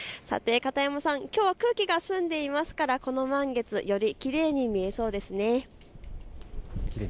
さて片山さん、きょうは空気が澄んでいますからこの満月、よりきれいに見えそうですね。